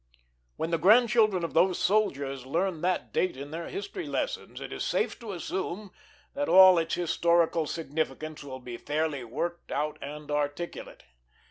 When the grandchildren of those soldiers learn that date in their history lessons it is safe to assume that all its historical significance will be fairly worked out and articulate.